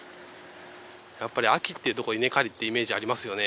やっぱり秋っていうと稲刈りってイメージありますよね。